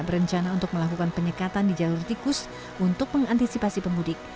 berencana untuk melakukan penyekatan di jalur tikus untuk mengantisipasi pemudik